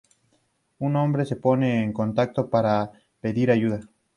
Un hombre se pone en contacto para pedir ayuda.